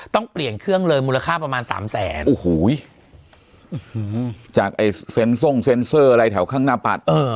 ต้องเปลี่ยนเครื่องเลยมูลค่าประมาณสามแสนโอ้โหจากไอ้อะไรแถวข้างหน้าปัดเออ